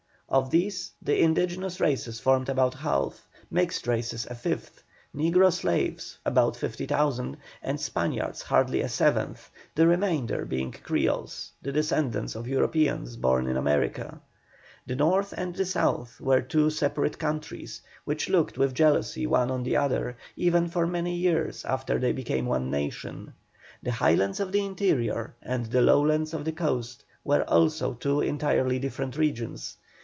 Of these the indigenous races formed about half, mixed races a fifth, negro slaves about fifty thousand, and Spaniards hardly a seventh, the remainder being Creoles, the descendants of Europeans born in America. The North and the South of Peru were two separate countries, which looked with jealousy one on the other, even for many years after they became one nation. The highlands of the interior and the lowlands of the coast were also two entirely different regions.